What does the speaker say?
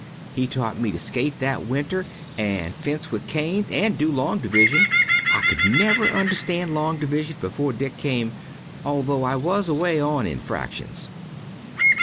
He taught me to skate that winter and fence with canes and do long division. I could never understand long division before Dick came, although I was away on in fractions.